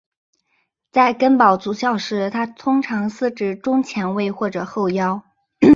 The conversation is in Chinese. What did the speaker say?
在根宝足校时他通常司职中前卫或者后腰。